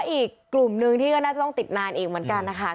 อีกกลุ่มนึงที่ก็น่าจะต้องติดนานอีกเหมือนกันนะคะ